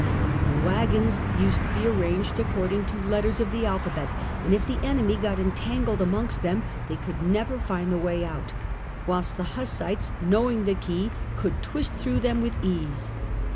The waggons used to be arranged according to letters of the alphabet, and if the enemy got entangled amongst them they could never find the way out, whilst the Hussites, knowing the key, could twist through them with ease.